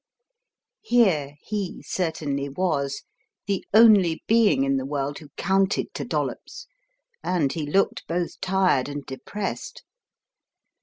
Here "he" certainly was, the only being in the world who counted to Dollops, and he looked both tired and depressed.